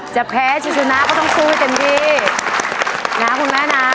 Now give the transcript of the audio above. จะแพ้ชิงชนะก็ต้องสู้ให้เต็มที่นะคุณแม่นะ